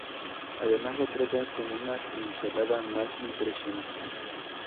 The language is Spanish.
Además, lo trata con una pincelada más impresionista.